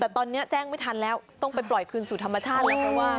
แต่ตอนนี้แจ้งไม่ทันแล้วต้องไปปล่อยคืนสู่ธรรมชาติแล้วเพราะว่า